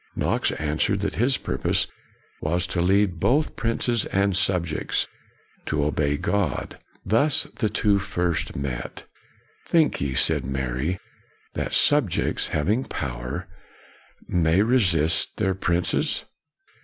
Knox answered that his purpose was to lead both princes and subjects to obey God. Thus the two first met. " Think ye," said Mary, " that subjects, having power, may resist their princes?